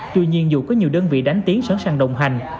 tuy nhiên dù có nhiều đơn vị đánh tiến sẵn sàng đồng hành